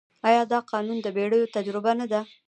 آیا دا قانون د پېړیو تجربه نه ده؟